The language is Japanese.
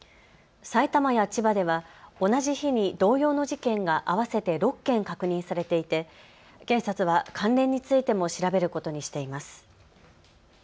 埼玉や千葉では同じ日に同様の事件が合わせて６件確認されていて警察は関連についても調べることにしています。